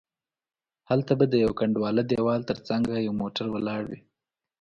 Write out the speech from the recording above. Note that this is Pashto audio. هلته به د یوه کنډواله دیوال تر څنګه یو موټر ولاړ وي.